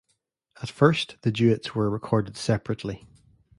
At first the duets were recorded separately.